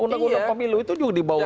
undang undang pemilu itu juga dibawa